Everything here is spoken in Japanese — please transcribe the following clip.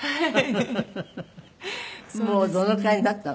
はい。